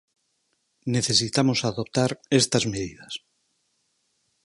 Necesitamos adoptar estas medidas.